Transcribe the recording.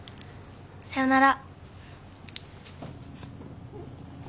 さよなら。